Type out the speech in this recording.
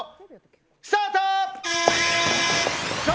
スタート。